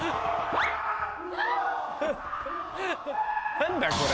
・何だこれ。